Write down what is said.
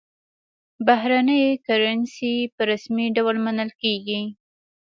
بهرنۍ کرنسي په رسمي ډول منل کېږي.